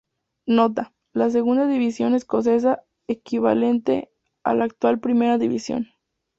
Nota: la Segunda división escocesa equivalente a la actual Primera división.